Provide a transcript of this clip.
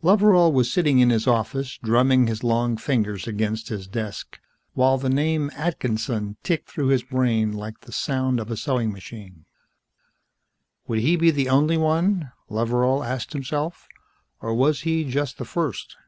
Loveral was sitting in his office, drumming his long fingers against his desk while the name, Atkinson, ticked through his brain like the sound of a sewing machine. Would he be the only one, Loveral asked himself, or was he just the first?